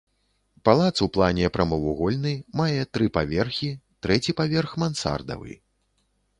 Палац у плане прамавугольны, мае тры паверхі, трэці паверх мансардавы.